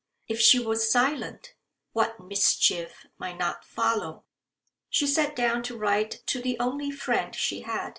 If she was silent, what mischief might not follow? She sat down to write to the only friend she had.